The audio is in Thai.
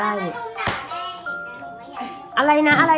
อยากจะไลค์กดไฟใหม่ตรุมง่าย